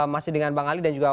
masih dengan bang ali dan juga